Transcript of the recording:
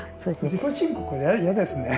自己申告嫌ですね。